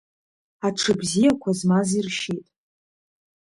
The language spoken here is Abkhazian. Аҽыбзиақәа змаз иршьит.